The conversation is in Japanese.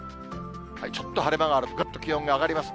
ちょっと晴れ間があると、ぐっと気温が上がります。